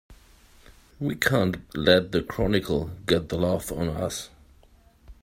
We can't let the Chronicle get the laugh on us!